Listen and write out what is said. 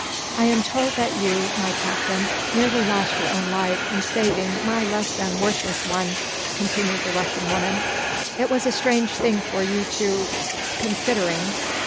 "I am told that you, my Captain, nearly lost your own life in saving my less than worthless one," continued the Russian woman. "It was a strange thing for you to considering.